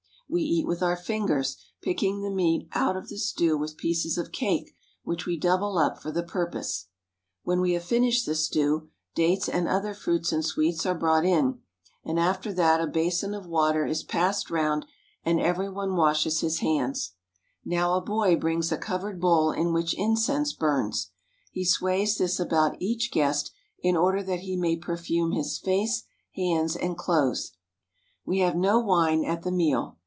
We eat with our fingers, picking the meat out of the stew with pieces of cake which we double up for the IN AN ARABIAN VILLAGE 345 purpose. When we have finished the stew, dates and other fruits and sweets are brought in ; and after that a basin of water is passed round and every one washes his hands. Now a boy brings a covered bowl in which incense burns. He sways this about each guest in order that he may perfume his face, hands, and clothes. We have no wine at the meal.